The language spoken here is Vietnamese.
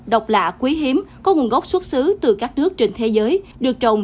độc lạ quý hiếm có nguồn gốc xuất xứ từ các nước trên thế giới được trồng